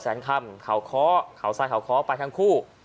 แสนค่ำขาวเคาะขาวทรายขาวเคาะไปทั้งคู่